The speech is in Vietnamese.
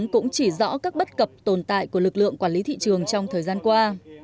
cũng chỉ rõ các bất cập tồn tại của lực lượng quản lý thị trường trong thời gian qua